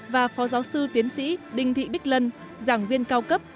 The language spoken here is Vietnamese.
và phó giáo sư tiến sĩ đinh thị bích lân giảng viên cao cấp